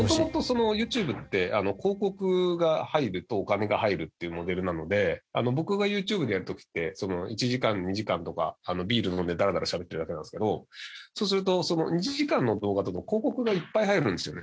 元々ＹｏｕＴｕｂｅって広告が入るとお金が入るっていうモデルなので僕がＹｏｕＴｕｂｅやる時って１時間２時間とかビール飲んでダラダラしゃべってるだけなんですけどそうすると１時間の動画だと広告がいっぱい入るんですよね。